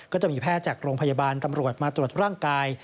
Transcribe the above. ก็จะมีแพทย์จากโรงพยาบาลตำรวจมาตรวจร่างกาย